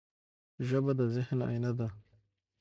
ژبه د ذهن آیینه ده.